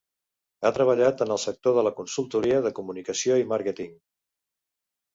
Ha treballat en el sector de la consultoria de comunicació i màrqueting.